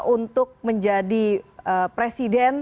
untuk menjadi presiden